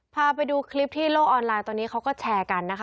พาไปดูคลิปที่โลกออนไลน์ตอนนี้เขาก็แชร์กันนะคะ